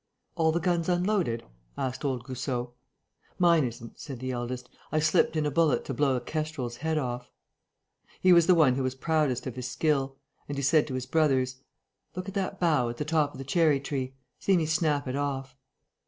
"All the guns unloaded?" asked old Goussot. "Mine isn't," said the eldest. "I slipped in a bullet to blow a kestrel's head off...." He was the one who was proudest of his skill. And he said to his brothers: "Look at that bough, at the top of the cherry tree. See me snap it off."